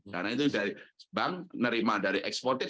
karena itu dari bank nerima dari eksportis